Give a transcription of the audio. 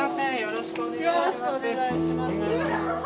よろしくお願いします。